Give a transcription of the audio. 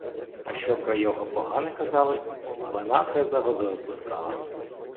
А що про його погане казали, вона те за водою пускала.